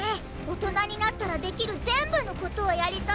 大人になったらできるぜんぶのことをやりたいわ。